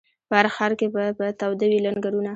په هر ښار کي به تاوده وي لنګرونه